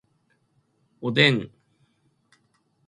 おでん